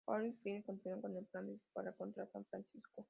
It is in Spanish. Darrow y Frye continúan con el plan de disparar contra San Francisco.